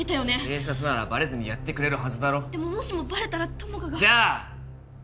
警察ならバレずにやってくれるはずだろでももしもバレたら友果がじゃあ！